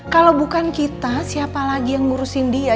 kalau bukan kita siapa lagi yang ngurusin dia